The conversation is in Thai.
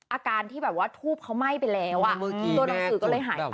อาการที่แบบว่าทูบเขาไหม้ไปแล้วตัวหนังสือก็เลยหายไป